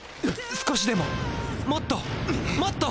少しでももっともっと！